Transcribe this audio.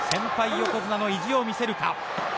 横綱の意地を見せるか。